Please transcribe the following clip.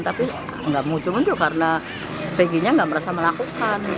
tapi nggak muncul muncul karena pg nya nggak merasa melakukan